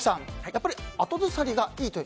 やっぱり後ずさりがいいと。